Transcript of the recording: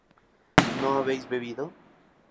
¿no habéis bebido?